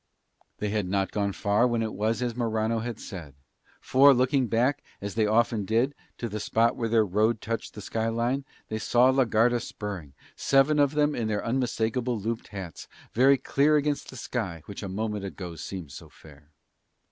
They had not gone far when it was as Morano had said; for, looking back, as they often did, to the spot where their road touched the sky line, they saw la Garda spurring, seven of them in their unmistakable looped hats, very clear against the sky which a moment ago seemed so fair.